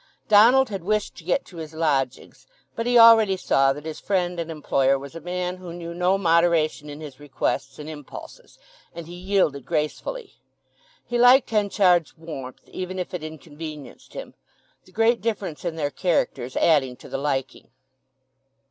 Donald had wished to get to his lodgings; but he already saw that his friend and employer was a man who knew no moderation in his requests and impulses, and he yielded gracefully. He liked Henchard's warmth, even if it inconvenienced him; the great difference in their characters adding to the liking.